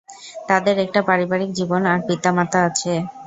তাদের একটা পারিবারিক জীবন আর পিতামাতা ছিল।